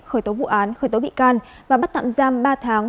khởi tố vụ án khởi tố bị can và bắt tạm giam ba tháng